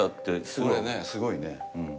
すごいね。